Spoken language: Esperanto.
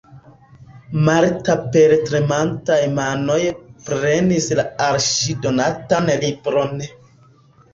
Marta per tremantaj manoj prenis la al ŝi donatan libron.